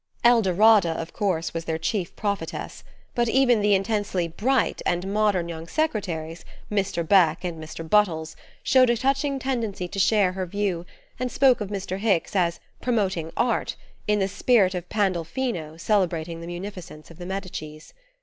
Eldorada, of course, was their chief prophetess; but even the intensely "bright" and modern young secretaries, Mr. Beck and Mr. Buttles, showed a touching tendency to share her view, and spoke of Mr. Hicks as "promoting art," in the spirit of Pandolfino celebrating the munificence of the Medicis.